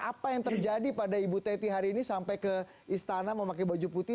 apa yang terjadi pada ibu teti hari ini sampai ke istana memakai baju putih